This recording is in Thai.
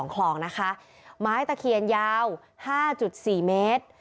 คลองนะคะไม้ตะเคียนยาว๕๔เมตร